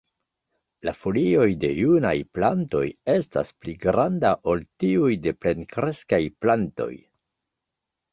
La folioj de junaj plantoj estas pli granda ol tiuj de plenkreskaj plantoj.